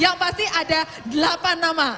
yang pasti ada delapan nama